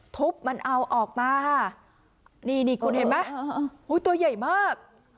ทุบมันเอาออกมาค่ะนี่นี่คุณเห็นไหมตัวใหญ่มาก